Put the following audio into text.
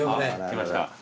きました。